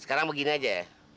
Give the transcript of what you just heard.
sekarang begini aja